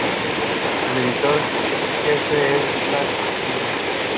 Su editor jefe es Zack Ewing.